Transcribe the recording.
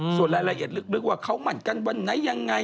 ส่วนรายละเอียดลึกว่าเขาหมั่นกันวันไหนยังไง